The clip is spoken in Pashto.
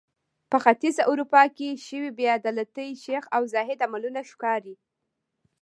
په ختیځه اروپا کې شوې بې عدالتۍ شیخ او زاهد عملونه ښکاري.